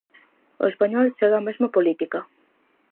O español segue a mesma política.